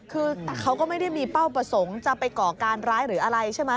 คือแต่เขาก็ไม่ได้มีเป้าประสงค์จะไปก่อการร้ายหรืออะไรใช่ไหม